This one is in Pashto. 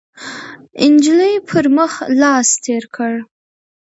، نجلۍ پر مخ لاس تېر کړ،